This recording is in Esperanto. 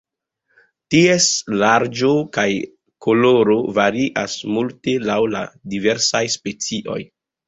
Ties larĝo kaj koloro varias multe laŭ la diversaj specioj.